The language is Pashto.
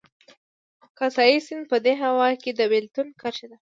کاسای سیند په دې هېواد کې د بېلتون کرښه ده